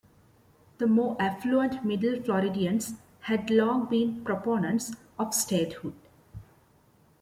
The more affluent Middle Floridians had long been proponents of statehood.